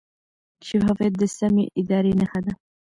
شفافیت د سمې ادارې نښه ده.